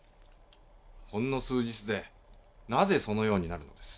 ほんの数日でなぜそのようになるのです？